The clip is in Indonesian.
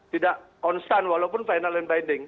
tidak konstan walaupun final and binding